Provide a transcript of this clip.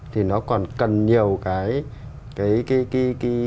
thì nó còn cần nhiều cái